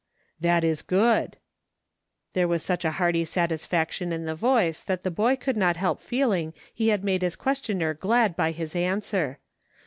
" That is good." There was such hearty satis faction in the voice that the boy could not help feeling he had made his questioner glad by his answer.